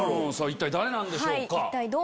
一体誰なんでしょうか？